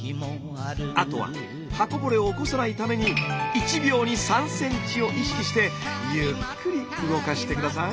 あとは刃こぼれを起こさないために１秒に３センチを意識してゆっくり動かして下さい。